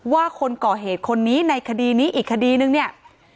ว่าคนก่อเหตุคนนี้ในคดีนี้อีกคดีนึงเนี่ย